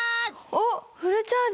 おっフルチャージ！